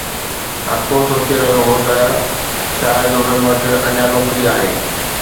هر ڪو سوچي رهيو هو ته شايد هنن وٽ اڃا نوڪري آهي